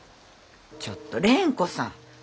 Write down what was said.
ちょっと蓮子さん。